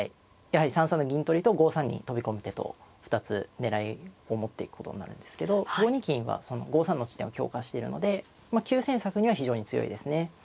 やはり３三の銀取りと５三に跳び込む手と２つ狙いを持っていくことになるんですけど５二金はその５三の地点を強化しているのでまあ急戦策には非常に強いですね。